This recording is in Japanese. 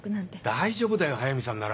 大丈夫だよ速見さんなら。